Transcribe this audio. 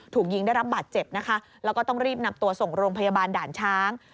ถูกยิงได้รับบาดเจ็บนะคะแล้วก็ต้องรีบนำตัวส่งโรงพยาบาลด่านช้าง